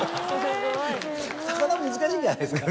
魚難しいんじゃないですか？